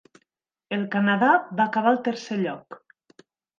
El Canadà va acabar al tercer lloc.